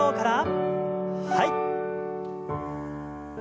はい。